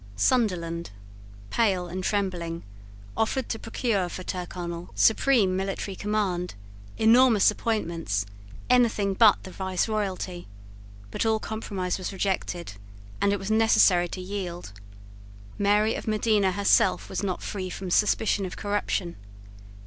Sunderland, pale and trembling, offered to procure for Tyrconnel supreme military command, enormous appointments, anything but the viceroyalty: but all compromise was rejected; and it was necessary to yield. Mary of Modena herself was not free from suspicion of corruption.